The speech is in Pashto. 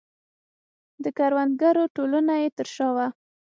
د کروندګرو ټولنه یې تر شا وه.